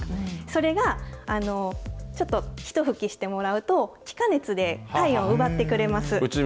それが、ちょっと一拭きしてもらうと、気化熱で体温奪ってくれます。